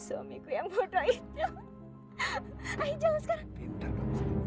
suami yang bodoh itu ayo sekarang pinter